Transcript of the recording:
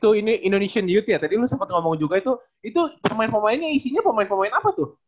itu ini indonesian youth ya tadi lu sempat ngomong juga itu itu pemain pemainnya isinya pemain pemain apa tuh